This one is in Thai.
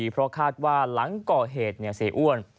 เพราะคาดว่าหลังก่อเหตุเสียอ้วน